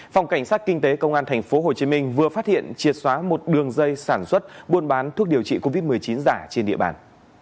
phòng cảnh sát kinh tế công an tp hcm vừa phát hiện triệt xóa một đường dây sản xuất buôn bán thuốc điều trị covid một mươi chín giả trên địa bàn